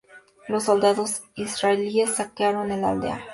Los soldados Israelíes saquearon la aldea.